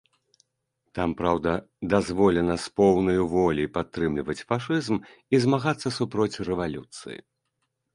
Там, праўда, дазволена з поўнаю воляй падтрымліваць фашызм і змагацца супроць рэвалюцыі.